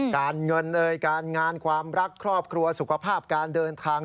การเงินเอ่ยการงานความรักครอบครัวสุขภาพการเดินทาง